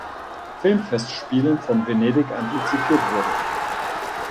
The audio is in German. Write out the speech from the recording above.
Filmfestspielen von Venedig antizipiert wurde.